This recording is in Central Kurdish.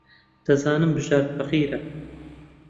دەزانم بژار فەقیرە.